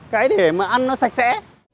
cái để mà ăn nó sạch sẽ